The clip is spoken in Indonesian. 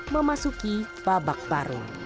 memasuki babak baru